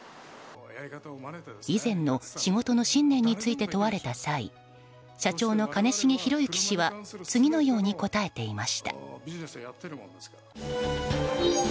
以前の仕事の信念について問われた際社長の兼重宏行氏は次のように答えていました。